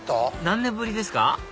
何年ぶりですか？